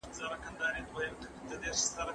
هغه خپل وېښتان مینځي.